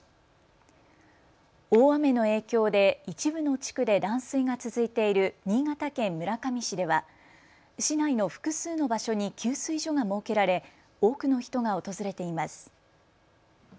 大雨の影響で一部の地区で断水が続いている新潟県村上市では市内の複数の場所に給水所が設けられ多くの人が訪れています。